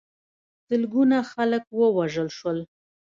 سلګونه خلک ووژل شول.